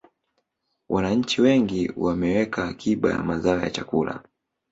wananchi wengi wanaweka akiba ya mazao ya chakula